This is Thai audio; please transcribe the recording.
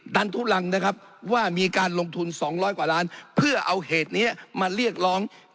ดันทุลังนะครับว่ามีการลงทุน๒๐๐กว่าล้านเพื่อเอาเหตุนี้มาเรียกร้อง